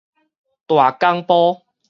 大港埔